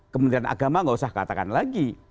kementerian agama tidak usah dikatakan lagi